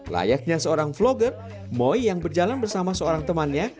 layaknya seorang vlogger moy yang berjalan bersama seorang temannya